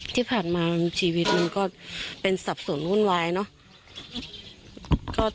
ที่ผ่านมาชีวิตมันก็เป็นสับสนวุ่นวายเนอะ